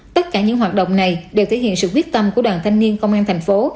tất cả những hoạt động này đều thể hiện sự quyết tâm của đoàn thanh niên công an thành phố